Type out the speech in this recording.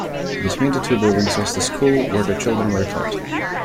Between the two buildings was the school where the children were taught.